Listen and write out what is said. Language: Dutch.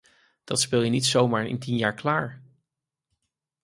Dat speel je niet zomaar in tien jaar klaar.